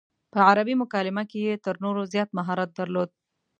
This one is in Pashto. په عربي مکالمه کې یې تر نورو زیات مهارت درلود.